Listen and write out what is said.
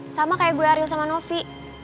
sama kayak gue ariel sama novi